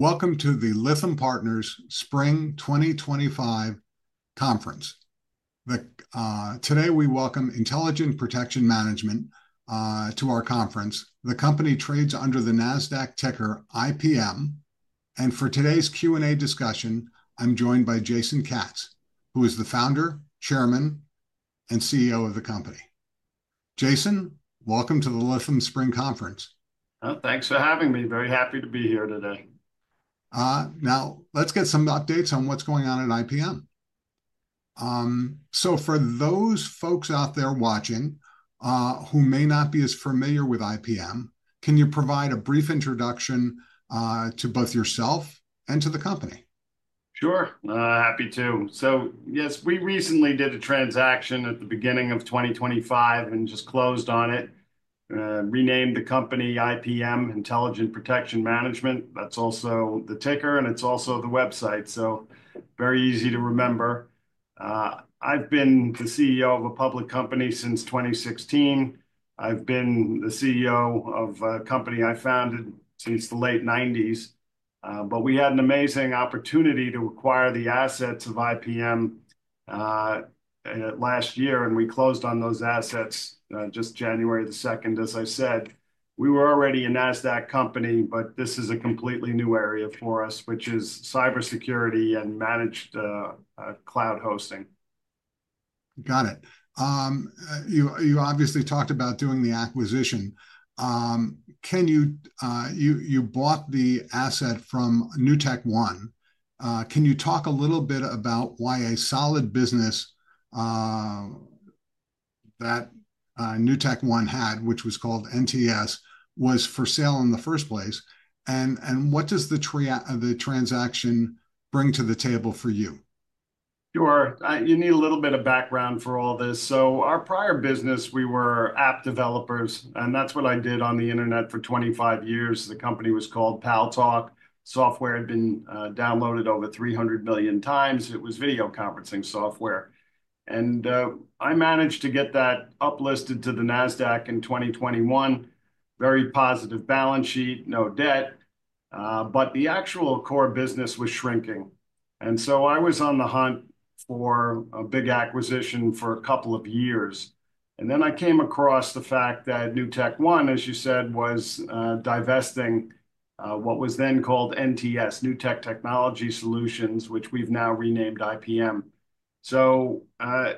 Welcome to the Lytham Partners Spring 2025 Conference. Today we welcome Intelligent Protection Management to our conference. The company trades under the NASDAQ ticker IPM. For today's Q&A discussion, I'm joined by Jason Katz, who is the founder, chairman, and CEO of the company. Jason, welcome to the Lytham Spring Conference. Thanks for having me. Very happy to be here today. Now, let's get some updates on what's going on at IPM. For those folks out there watching who may not be as familiar with IPM, can you provide a brief introduction to both yourself and to the company? Sure. Happy to. Yes, we recently did a transaction at the beginning of 2025 and just closed on it, renamed the company IPM, Intelligent Protection Management. That's also the ticker, and it's also the website. Very easy to remember. I've been the CEO of a public company since 2016. I've been the CEO of a company I founded since the late 1990s. We had an amazing opportunity to acquire the assets of IPM last year, and we closed on those assets just January the 2nd. As I said, we were already a Nasdaq company, but this is a completely new area for us, which is cybersecurity and managed cloud hosting. Got it. You obviously talked about doing the acquisition. You bought the asset from NewtekOne. Can you talk a little bit about why a solid business that NewtekOne had, which was called NTS, was for sale in the first place? What does the transaction bring to the table for you? Sure. You need a little bit of background for all this. Our prior business, we were app developers, and that's what I did on the internet for 25 years. The company was called Paltalk. Software had been downloaded over 300 million times. It was video conferencing software. I managed to get that uplisted to the Nasdaq in 2021. Very positive balance sheet, no debt. The actual core business was shrinking. I was on the hunt for a big acquisition for a couple of years. I came across the fact that NewtekOne, as you said, was divesting what was then called NTS, Newtek Technology Solutions, which we've now renamed IPM.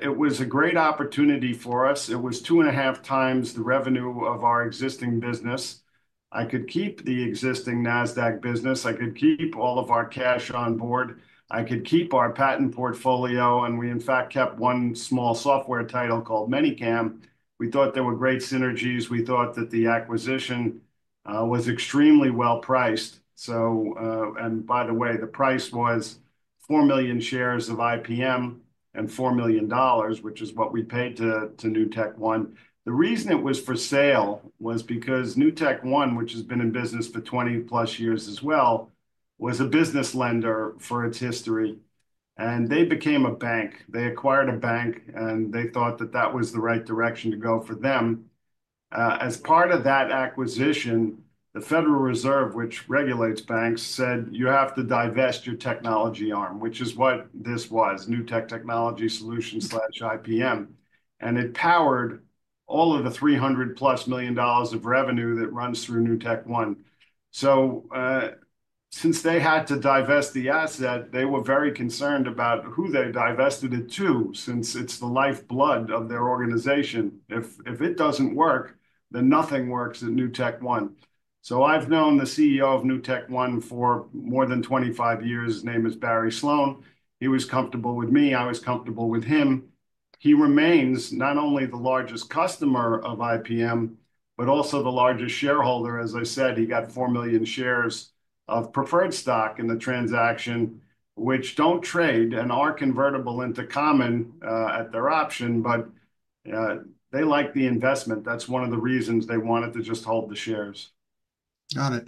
It was a great opportunity for us. It was two and a half times the revenue of our existing business. I could keep the existing Nasdaq business. I could keep all of our cash on board. I could keep our patent portfolio. We, in fact, kept one small software title called ManyCam. We thought there were great synergies. We thought that the acquisition was extremely well priced. By the way, the price was 4 million shares of IPM and $4 million, which is what we paid to NewtekOne. The reason it was for sale was because NewtekOne, which has been in business for 20 plus years as well, was a business lender for its history. They became a bank. They acquired a bank, and they thought that that was the right direction to go for them. As part of that acquisition, the Federal Reserve, which regulates banks, said, "You have to divest your technology arm," which is what this was, Newtek Technology Solutions slash IPM. It powered all of the $300 million-plus of revenue that runs through NewtekOne. Since they had to divest the asset, they were very concerned about who they divested it to, since it is the lifeblood of their organization. If it does not work, then nothing works at NewtekOne. I have known the CEO of NewtekOne for more than 25 years. His name is Barry Sloane. He was comfortable with me. I was comfortable with him. He remains not only the largest customer of IPM, but also the largest shareholder. As I said, he got 4 million shares of preferred stock in the transaction, which don't t trade and are convertible into common at their option, but they like the investment. That is one of the reasons they wanted to just hold the shares. Got it.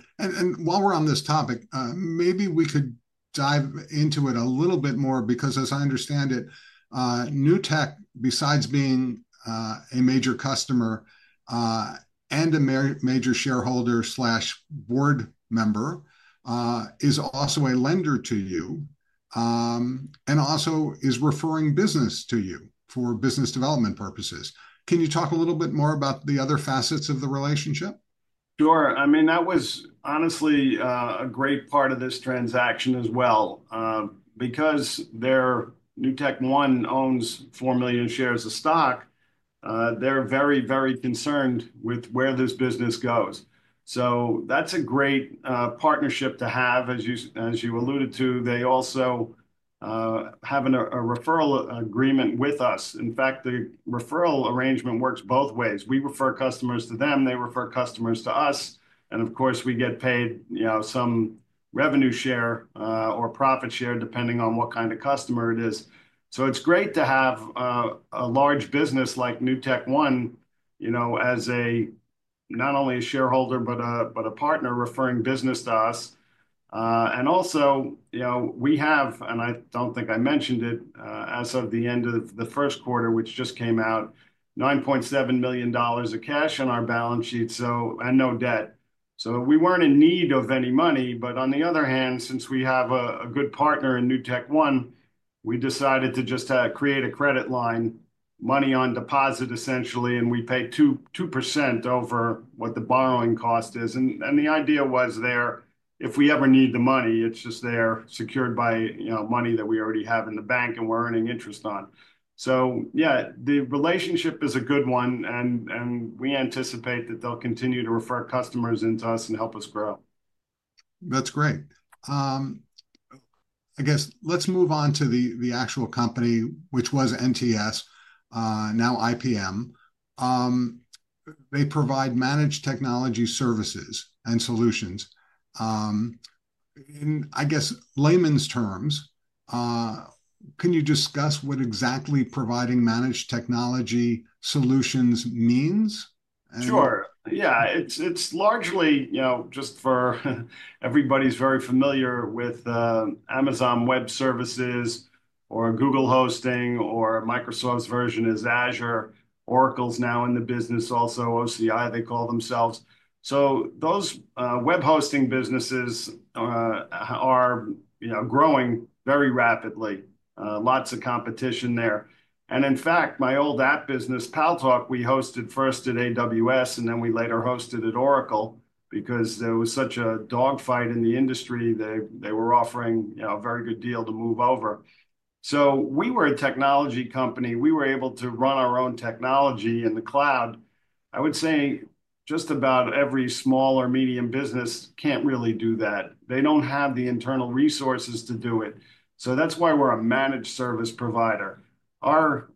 While we're on this topic, maybe we could dive into it a little bit more because, as I understand it, Newtek, besides being a major customer and a major shareholder slash board member, is also a lender to you and also is referring business to you for business development purposes. Can you talk a little bit more about the other facets of the relationship? Sure. I mean, that was honestly a great part of this transaction as well. Because NewtekOne owns 4 million shares of stock, they're very, very concerned with where this business goes. That is a great partnership to have. As you alluded to, they also have a referral agreement with us. In fact, the referral arrangement works both ways. We refer customers to them. They refer customers to us. Of course, we get paid some revenue share or profit share, depending on what kind of customer it is. It is great to have a large business like NewtekOne as not only a shareholder, but a partner referring business to us. Also, we have, and I do not think I mentioned it, as of the end of the first quarter, which just came out, $9.7 million of cash on our balance sheet and no debt. We were not in need of any money. On the other hand, since we have a good partner in NewtekOne, we decided to just create a credit line, money on deposit, essentially, and we pay 2% over what the borrowing cost is. The idea was there, if we ever need the money, it is just there secured by money that we already have in the bank and we are earning interest on. Yeah, the relationship is a good one. We anticipate that they will continue to refer customers into us and help us grow. That's great. I guess let's move on to the actual company, which was NTS, now IPM. They provide managed technology services and solutions. In, I guess, layman's terms, can you discuss what exactly providing managed technology solutions means? Sure. Yeah. It's largely just for everybody's very familiar with Amazon Web Services or Google Hosting or Microsoft's version is Azure. Oracle's now in the business, also OCI, they call themselves. Those web hosting businesses are growing very rapidly. Lots of competition there. In fact, my old app business, Paltalk, we hosted first at AWS, and then we later hosted at Oracle because there was such a dogfight in the industry. They were offering a very good deal to move over. We were a technology company. We were able to run our own technology in the cloud. I would say just about every small or medium business can't really do that. They don't have the internal resources to do it. That's why we're a managed service provider. Our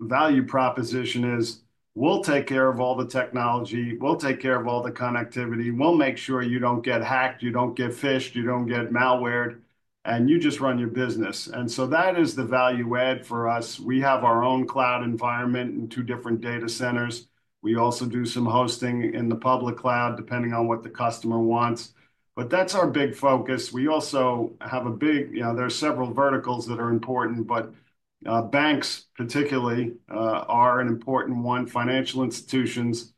value proposition is we'll take care of all the technology. We'll take care of all the connectivity. We'll make sure you don't get hacked, you don't get phished, you don't get malwared, and you just run your business. That is the value add for us. We have our own cloud environment and two different data centers. We also do some hosting in the public cloud, depending on what the customer wants. That's our big focus. We also have a big, there are several verticals that are important, but banks particularly are an important one, financial institutions.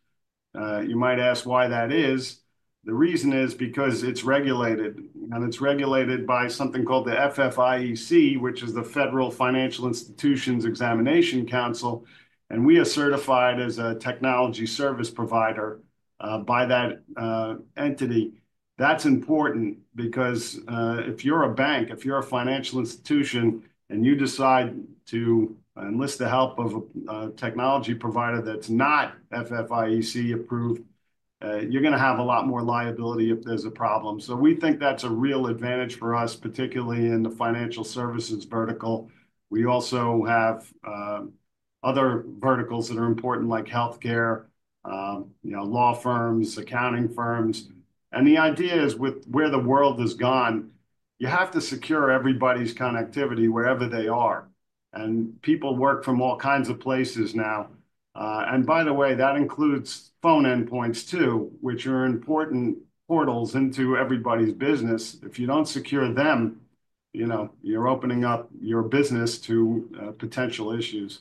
You might ask why that is. The reason is because it's regulated. It's regulated by something called the FFIEC, which is the Federal Financial Institutions Examination Council. We are certified as a technology service provider by that entity. That's important because if you're a bank, if you're a financial institution, and you decide to enlist the help of a technology provider that's not FFIEC approved, you're going to have a lot more liability if there's a problem. We think that's a real advantage for us, particularly in the financial services vertical. We also have other verticals that are important, like healthcare, law firms, accounting firms. The idea is with where the world has gone, you have to secure everybody's connectivity wherever they are. People work from all kinds of places now. By the way, that includes phone endpoints too, which are important portals into everybody's business. If you don't secure them, you're opening up your business to potential issues.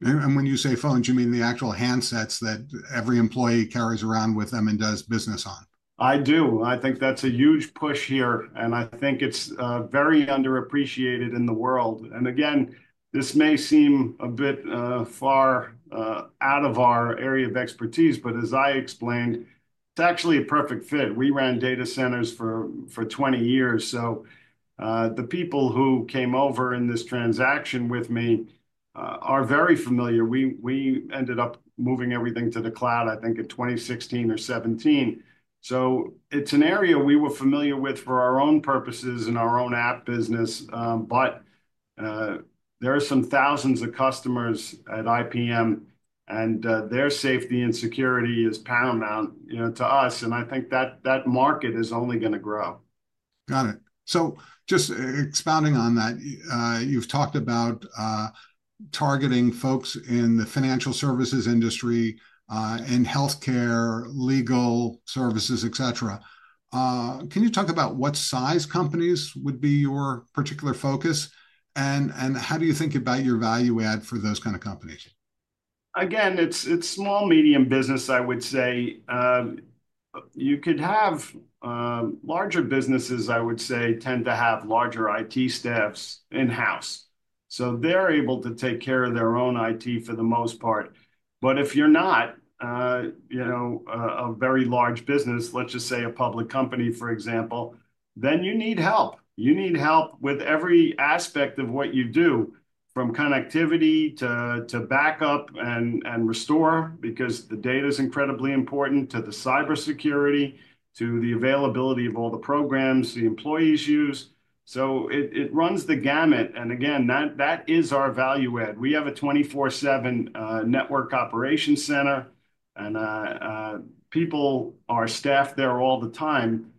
When you say phones, you mean the actual handsets that every employee carries around with them and does business on? I do. I think that's a huge push here. I think it's very underappreciated in the world. Again, this may seem a bit far out of our area of expertise, but as I explained, it's actually a perfect fit. We ran data centers for 20 years. The people who came over in this transaction with me are very familiar. We ended up moving everything to the cloud, I think, in 2016 or 2017. It's an area we were familiar with for our own purposes and our own app business. There are some thousands of customers at IPM, and their safety and security is paramount to us. I think that market is only going to grow. Got it. So just expounding on that, you've talked about targeting folks in the financial services industry and healthcare, legal services, etc. Can you talk about what size companies would be your particular focus? And how do you think about your value add for those kind of companies? Again, it's small, medium business, I would say. You could have larger businesses, I would say, tend to have larger IT staffs in-house. They are able to take care of their own IT for the most part. If you're not a very large business, let's just say a public company, for example, then you need help. You need help with every aspect of what you do, from connectivity to backup and restore, because the data is incredibly important, to the cybersecurity, to the availability of all the programs the employees use. It runs the gamut. That is our value add. We have a 24/7 network operations center, and people are staffed there all the time.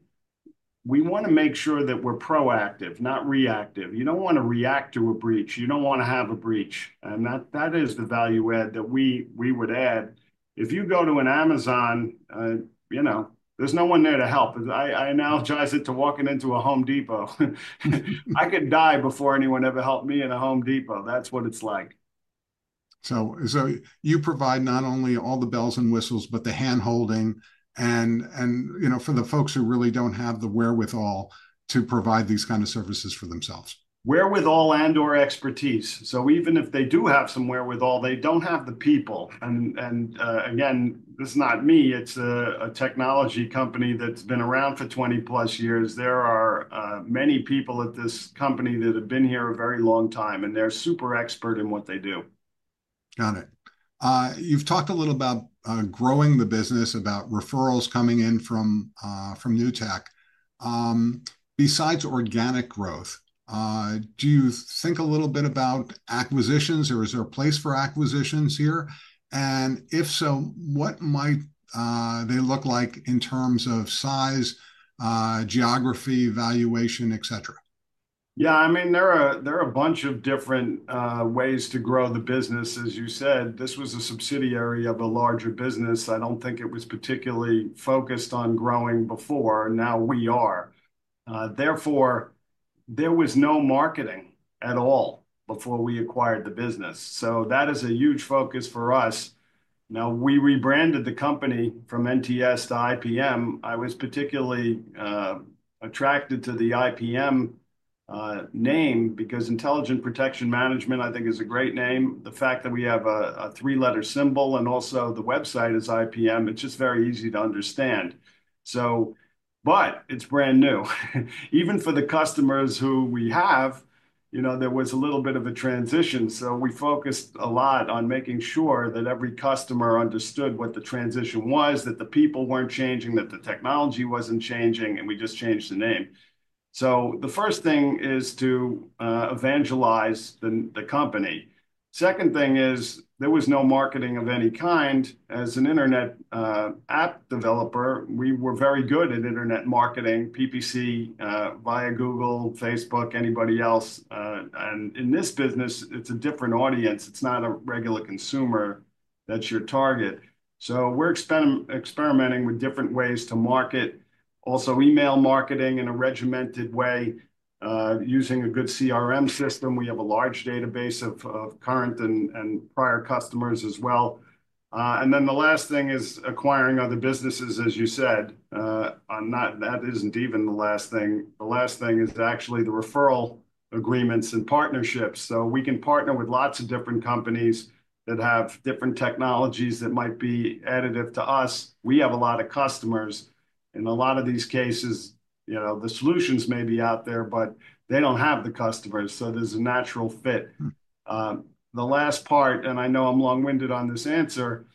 We want to make sure that we're proactive, not reactive. You don't want to react to a breach. You don't want to have a breach. That is the value add that we would add. If you go to an Amazon, there is no one there to help. I analogize it to walking into a Home Depot. I could die before anyone ever helped me in a Home Depot. That is what it is like. You provide not only all the bells and whistles, but the handholding and for the folks who really don't have the wherewithal to provide these kinds of services for themselves. Wherewithal and/or expertise. Even if they do have some wherewithal, they do not have the people. Again, this is not me. It is a technology company that has been around for 20-plus years. There are many people at this company that have been here a very long time, and they are super expert in what they do. Got it. You've talked a little about growing the business, about referrals coming in from Newtek. Besides organic growth, do you think a little bit about acquisitions, or is there a place for acquisitions here? If so, what might they look like in terms of size, geography, valuation, etc.? Yeah. I mean, there are a bunch of different ways to grow the business. As you said, this was a subsidiary of a larger business. I do not think it was particularly focused on growing before. Now we are. Therefore, there was no marketing at all before we acquired the business. That is a huge focus for us. Now, we rebranded the company from NTS to IPM. I was particularly attracted to the IPM name because Intelligent Protection Management, I think, is a great name. The fact that we have a three-letter symbol and also the website is IPM, it is just very easy to understand. It is brand new. Even for the customers who we have, there was a little bit of a transition. We focused a lot on making sure that every customer understood what the transition was, that the people were not changing, that the technology was not changing, and we just changed the name. The first thing is to evangelize the company. The second thing is there was no marketing of any kind. As an internet app developer, we were very good at internet marketing, PPC via Google, Facebook, anybody else. In this business, it is a different audience. It is not a regular consumer that is your target. We are experimenting with different ways to market, also email marketing in a regimented way, using a good CRM system. We have a large database of current and prior customers as well. The last thing is acquiring other businesses, as you said. That is not even the last thing. The last thing is actually the referral agreements and partnerships. We can partner with lots of different companies that have different technologies that might be additive to us. We have a lot of customers. In a lot of these cases, the solutions may be out there, but they do not have the customers. There is a natural fit. The last part, and I know I am long-winded on this answer,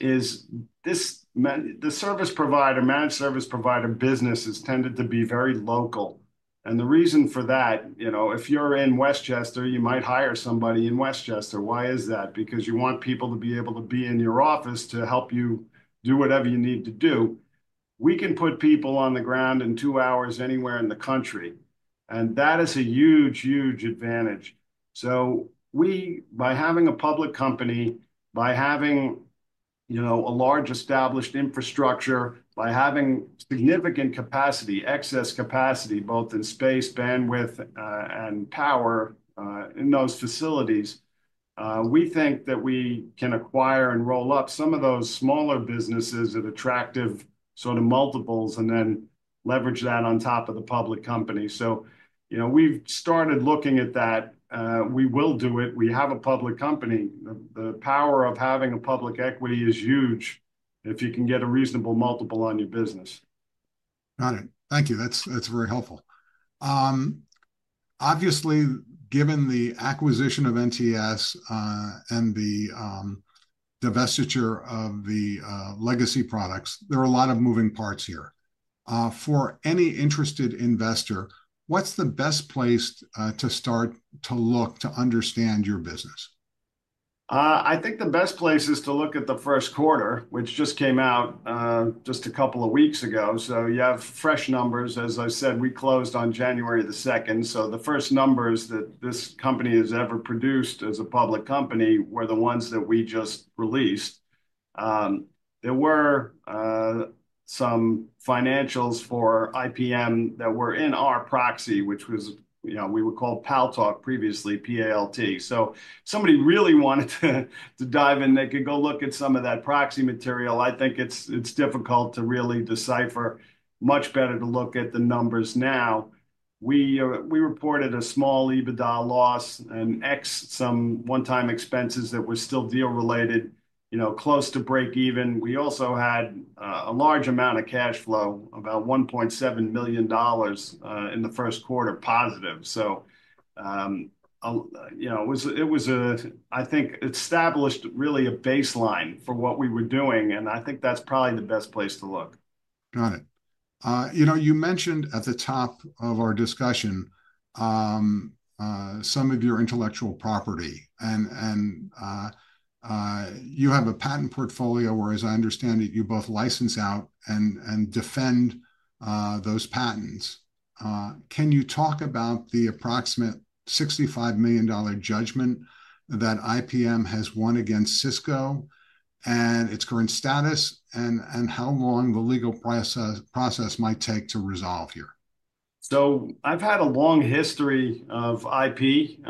is the service provider, managed service provider businesses tended to be very local. The reason for that, if you are in Westchester, you might hire somebody in Westchester. Why is that? Because you want people to be able to be in your office to help you do whatever you need to do. We can put people on the ground in two hours anywhere in the country. That is a huge, huge advantage. By having a public company, by having a large established infrastructure, by having significant capacity, excess capacity, both in space, bandwidth, and power in those facilities, we think that we can acquire and roll up some of those smaller businesses at attractive sort of multiples and then leverage that on top of the public company. We've started looking at that. We will do it. We have a public company. The power of having a public equity is huge if you can get a reasonable multiple on your business. Got it. Thank you. That's very helpful. Obviously, given the acquisition of NTS and the divestiture of the legacy products, there are a lot of moving parts here. For any interested investor, what's the best place to start to look to understand your business? I think the best place is to look at the first quarter, which just came out just a couple of weeks ago. You have fresh numbers. As I said, we closed on January the 2nd. The first numbers that this company has ever produced as a public company were the ones that we just released. There were some financials for IPM that were in our proxy, which was we were called Paltalk previously, PALT. If somebody really wanted to dive in, they could go look at some of that proxy material. I think it's difficult to really decipher. Much better to look at the numbers now. We reported a small EBITDA loss and, exed some one-time expenses that were still deal-related, close to break-even. We also had a large amount of cash flow, about $1.7 million in the First Quarter positive. It was, I think, established really a baseline for what we were doing. I think that's probably the best place to look. Got it. You mentioned at the top of our discussion some of your intellectual property. And you have a patent portfolio, or as I understand it, you both license out and defend those patents. Can you talk about the approximate $65 million judgment that IPM has won against Cisco and its current status and how long the legal process might take to resolve here? I've had a long history of IP.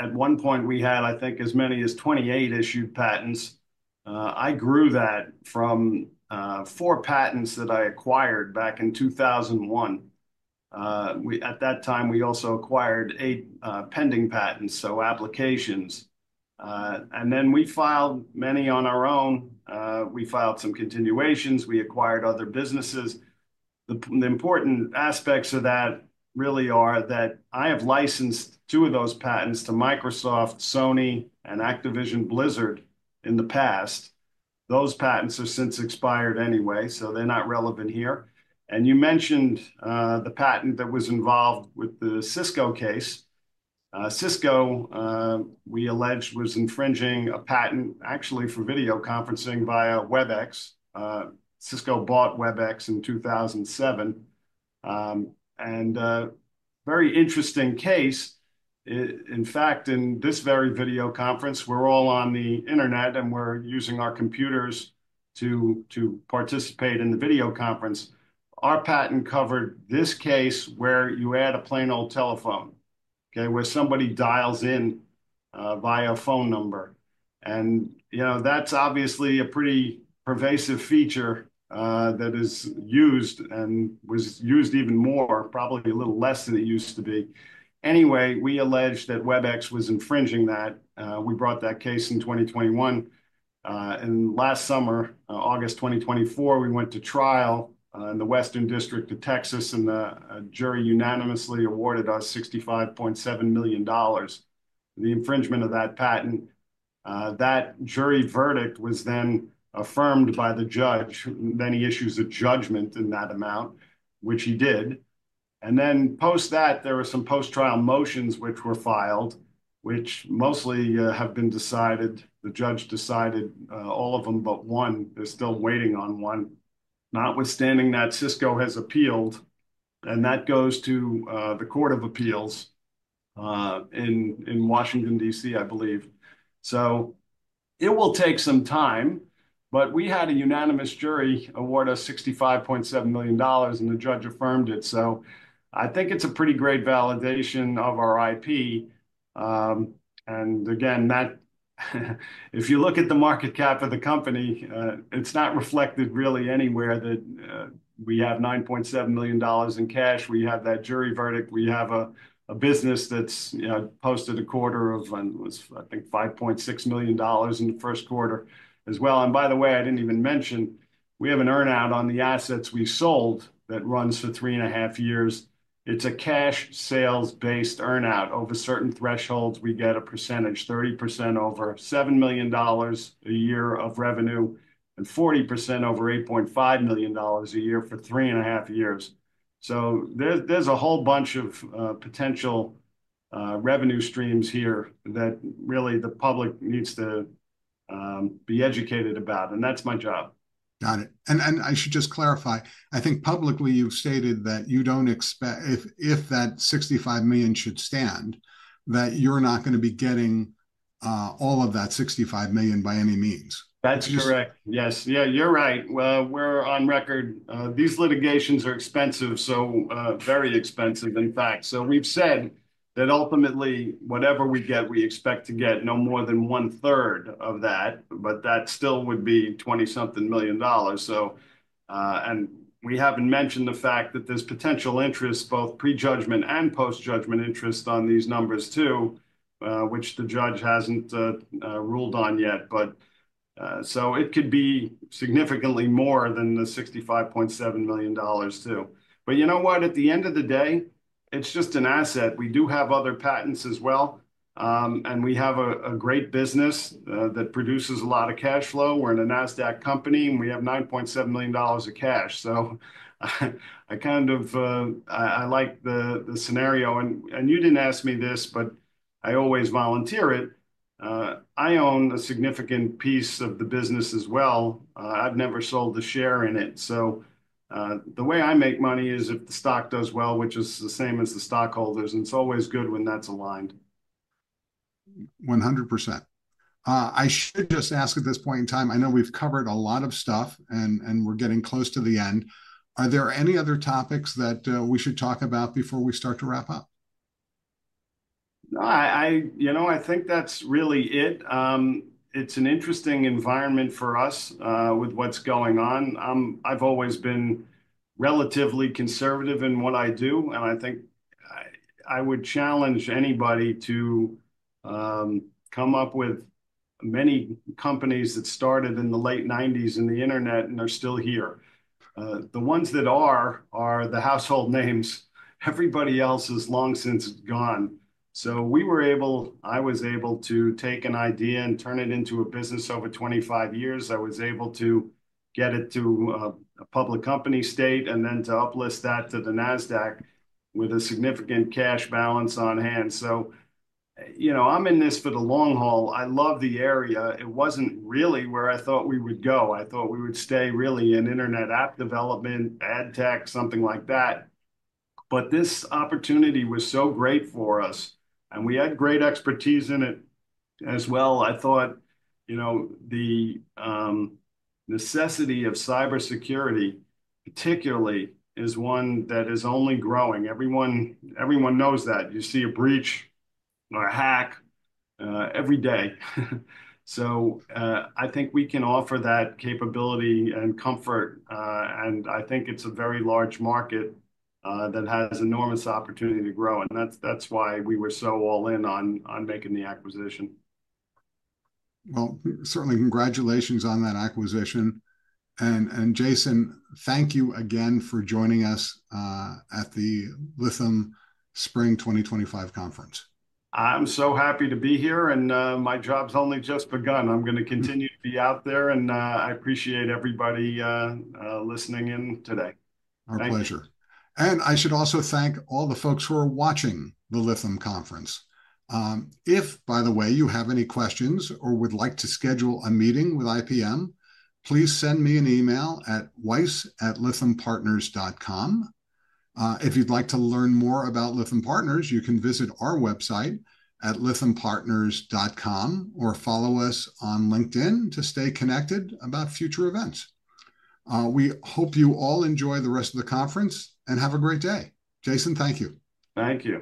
At one point, we had, I think, as many as 28 issued patents. I grew that from four patents that I acquired back in 2001. At that time, we also acquired eight pending patents, so applications. Then we filed many on our own. We filed some continuations. We acquired other businesses. The important aspects of that really are that I have licensed two of those patents to Microsoft, Sony, and Activision Blizzard in the past. Those patents have since expired anyway, so they're not relevant here. You mentioned the patent that was involved with the Cisco case. Cisco, we alleged, was infringing a patent, actually, for video conferencing via Webex. Cisco bought Webex in 2007. Very interesting case. In fact, in this very video conference, we're all on the internet, and we're using our computers to participate in the video conference. Our patent covered this case where you add a plain old telephone, where somebody dials in via a phone number. And that's obviously a pretty pervasive feature that is used and was used even more, probably a little less than it used to be. Anyway, we alleged that Webex was infringing that. We brought that case in 2021. Last summer, August 2024, we went to trial in the Western District of Texas, and the jury unanimously awarded us $65.7 million for the infringement of that patent. That jury verdict was then affirmed by the judge. Then he issues a judgment in that amount, which he did. Then post that, there were some post-trial motions which were filed, which mostly have been decided. The judge decided all of them, but one. They're still waiting on one. Notwithstanding that Cisco has appealed, and that goes to the Court of Appeals in Washington, DC, I believe. It will take some time, but we had a unanimous jury award us $65.7 million, and the judge affirmed it. I think it's a pretty great validation of our IP. Again, if you look at the market cap of the company, it's not reflected really anywhere that we have $9.7 million in cash. We have that jury verdict. We have a business that's posted a quarter of, I think, $5.6 million in the First Quarter as well. By the way, I didn't even mention, we have an earnout on the assets we sold that runs for three and a half years. It's a cash sales-based earnout. Over certain thresholds, we get a percentage, 30% over $7 million a year of revenue and 40% over $8.5 million a year for three and a half years. There is a whole bunch of potential revenue streams here that really the public needs to be educated about. That is my job. Got it. I should just clarify. I think publicly you've stated that you don't expect if that $65 million should stand, that you're not going to be getting all of that $65 million by any means. That's correct. Yes. Yeah, you're right. We're on record. These litigations are expensive, so very expensive, in fact. We've said that ultimately, whatever we get, we expect to get no more than one-third of that, but that still would be $20-something million. We haven't mentioned the fact that there's potential interest, both pre-judgment and post-judgment interest on these numbers too, which the judge hasn't ruled on yet. It could be significantly more than the $65.7 million too. You know what? At the end of the day, it's just an asset. We do have other patents as well. We have a great business that produces a lot of cash flow. We're a Nasdaq company, and we have $9.7 million of cash. I kind of like the scenario. You didn't ask me this, but I always volunteer it. I own a significant piece of the business as well. I've never sold a share in it. The way I make money is if the stock does well, which is the same as the stockholders. It's always good when that's aligned. 100%. I should just ask at this point in time, I know we've covered a lot of stuff, and we're getting close to the end. Are there any other topics that we should talk about before we start to wrap up? I think that's really it. It's an interesting environment for us with what's going on. I've always been relatively conservative in what I do. I think I would challenge anybody to come up with many companies that started in the late 1990s in the internet and are still here. The ones that are are the household names. Everybody else has long since gone. We were able, I was able to take an idea and turn it into a business over 25 years. I was able to get it to a public company state and then to uplist that to the Nasdaq with a significant cash balance on hand. I'm in this for the long haul. I love the area. It wasn't really where I thought we would go. I thought we would stay really in internet app development, ad tech, something like that. This opportunity was so great for us. We had great expertise in it as well. I thought the necessity of cybersecurity, particularly, is one that is only growing. Everyone knows that. You see a breach or a hack every day. I think we can offer that capability and comfort. I think it is a very large market that has enormous opportunity to grow. That is why we were so all in on making the acquisition. Certainly, congratulations on that acquisition. Jason, thank you again for joining us at the Lytham Spring 2025 Conference. I'm so happy to be here. My job's only just begun. I'm going to continue to be out there. I appreciate everybody listening in today. Our pleasure. I should also thank all the folks who are watching the Lytham conference. If, by the way, you have any questions or would like to schedule a meeting with IPM, please send me an email at weiss@Lythampartners.com. If you'd like to learn more about Lytham Partners, you can visit our website at lythampartners.com or follow us on LinkedIn to stay connected about future events. We hope you all enjoy the rest of the conference and have a great day. Jason, thank you. Thank you.